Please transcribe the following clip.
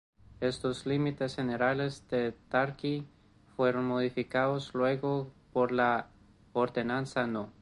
Estos límites generales de Tarqui fueron modificados luego por la Ordenanza No.